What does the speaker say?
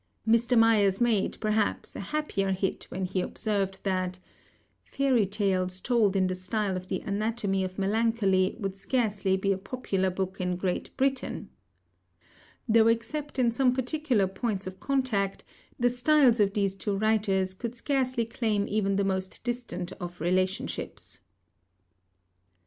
Mr. Mayers made, perhaps, a happier hit when he observed that "fairy tales told in the style of the Anatomy of Melancholy would scarcely be a popular book in Great Britain;" though except in some particular points of contact, the styles of these two writers could scarcely claim even the most distant of relationships.